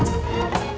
masih ada yang nangis